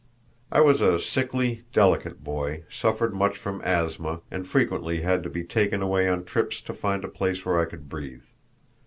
I was a sickly, delicate boy, suffered much from asthma, and frequently had to be taken away on trips to find a place where I could breathe.